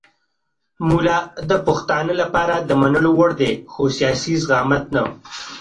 ملا د پښتانه لپاره د منلو وړ دی خو سیاسي زعامت نه.